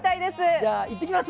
じゃあ行ってきます。